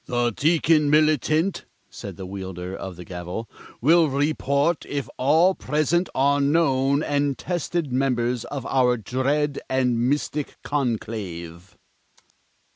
"The Deacon Militant," said the wielder of the gavel, "will report if all present are known and tested members of our Dread and Mystic Conclave."